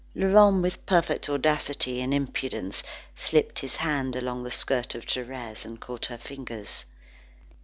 Laurent, with perfect audacity and impudence, slipped his hand along the skirt of Thérèse and caught her fingers.